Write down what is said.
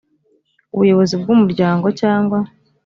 ubuyobozi bw umuryango cyangwa